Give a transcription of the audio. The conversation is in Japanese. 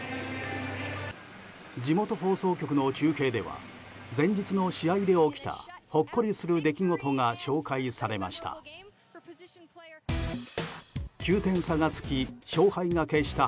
地元放送局の中継では前日の試合で起きたほっこりする出来事が紹介されました。